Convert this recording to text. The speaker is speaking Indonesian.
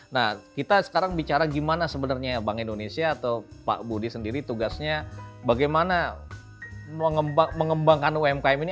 nah kita sekarang bicara gimana sebenarnya bank indonesia atau pak budi sendiri tugasnya bagaimana mengembangkan umkm ini